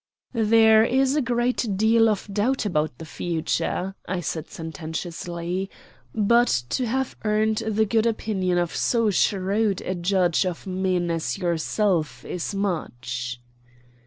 "There is a great deal of doubt about the future," said I sententiously; "but to have earned the good opinion of so shrewd a judge of men as yourself is much."